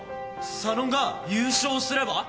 佐野が優勝すれば。